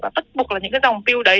và bất bục là những cái dòng piu đấy